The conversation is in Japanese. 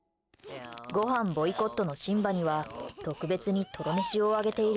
ごはんボイコットのシンバには特別にトロ飯をあげている。